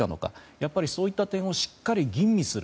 やっぱりそういった点をしっかり吟味する。